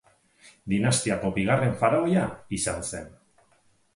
Dinastiako bigarren faraoia izan zen.